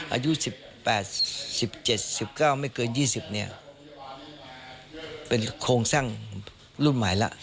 อายุสิบแปดสิบเจ็ดสิบเก้าไม่เกินยี่สิบเนี่ยเป็นโครงสร้างรุ่นใหม่ละ